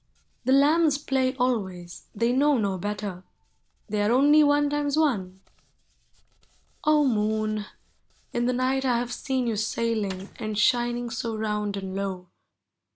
The lambs play always, — they know no better; They are only one times one. 0 Moon ! in the night I have seen you sailing And shining so round and low.